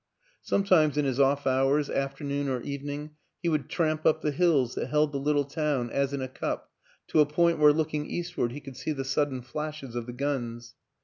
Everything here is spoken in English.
Sometimes in his off hours, afternoon or evening, he would tramp up the hills that held the little town as in a cup to a point where, looking eastward, he could see the sudden flashes of the guns.